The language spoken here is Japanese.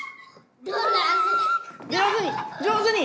上手に上手に！